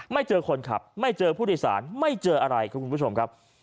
ไม่เจอคนขับไม่เจอผู้โดยสารไม่เจออะไรครับคุณผู้ชมครับ